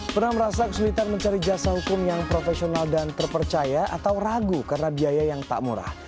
pernah merasa kesulitan mencari jasa hukum yang profesional dan terpercaya atau ragu karena biaya yang tak murah